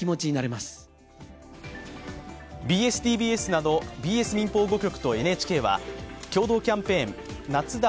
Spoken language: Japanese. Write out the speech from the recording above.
ＢＳ−ＴＢＳなどＢＳ民放５局とＮＨＫは共同キャンペーン「夏だ！